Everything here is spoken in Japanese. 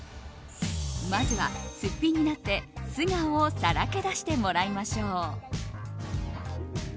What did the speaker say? まずは、すっぴんになって素顔をさらけ出してもらいましょう。